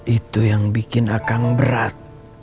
itu yang bikin akan berat